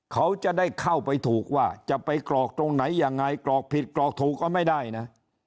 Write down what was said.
เขาจะได้เข้าไปถูกว่าจะไปกรอกตรงไหนยังไงกรอกผิดกรอกถูกก็ไม่ได้นะ